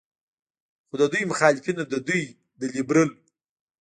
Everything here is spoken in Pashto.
خو د دوي مخالفينو د دوي د لبرل